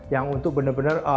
yang untuk benar benar